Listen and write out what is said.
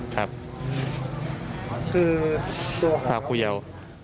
คือตัวหาคุยเอา